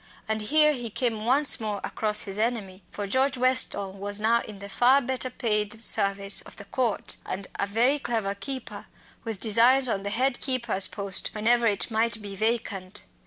And here he came once more across his enemy. For George Westall was now in the far better paid service of the Court and a very clever keeper, with designs on the head keeper's post whenever it might be vacant.